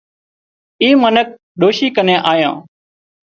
اي منک ڏوشي ڪنين آيان